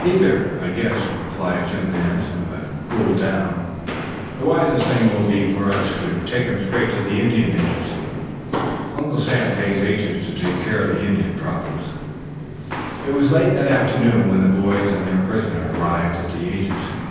"Neither, I guess," replied Jim Nance, who had cooled down. "The wisest thing will be for us to take him straight to the Indian Agency. Uncle Sam pays agents to take care of Indian problems." It was late that afternoon when the boys and their poisoner arrived at the Agency.